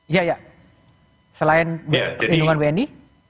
iya iya selain pelindungan wni